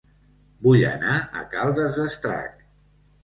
Vull anar a Caldes d'Estrac